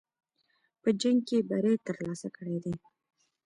په جنګ کې بری ترلاسه کړی دی.